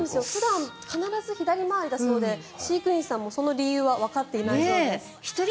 普段必ず左回りだそうで飼育員さんも、その理由はわかっていないそうです。